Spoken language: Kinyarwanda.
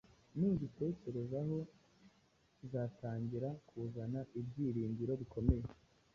Nugitekerezaho, kizatangira kuzana ibyiringiro bikomeye.